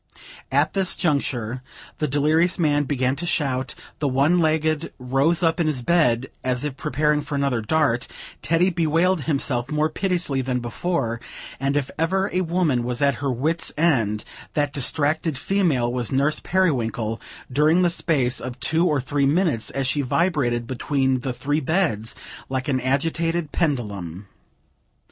At this juncture, the delirious man began to shout; the one legged rose up in his bed, as if preparing for another dart; Teddy bewailed himself more piteously than before: and if ever a woman was at her wit's end, that distracted female was Nurse Periwinkle, during the space of two or three minutes, as she vibrated between the three beds, like an agitated pendulum.